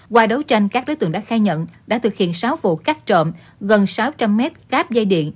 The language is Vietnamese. qua đấu tranh các đối tượng đã khai nhận đã thực hiện sáu vụ cắt trộm gần sáu trăm linh mét cáp dây điện